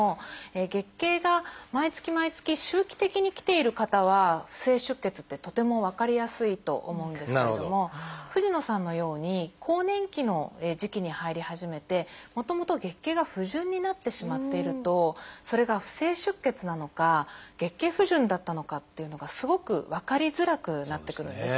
月経が毎月毎月周期的に来ている方は不正出血ってとても分かりやすいと思うんですけれども藤野さんのように更年期の時期に入り始めてもともと月経が不順になってしまっているとそれが不正出血なのか月経不順だったのかっていうのがすごく分かりづらくなってくるんですね。